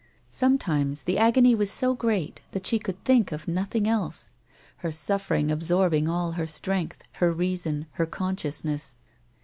Sometimes the agony was so great that she could think of nothing else, her suffering absorbing all her strength, her reason, her consciousness.